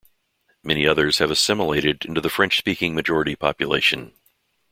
Many others have assimilated into the French-speaking majority population.